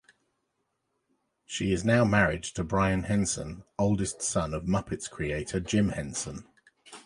She is now married to Brian Henson, oldest son of Muppets creator Jim Henson.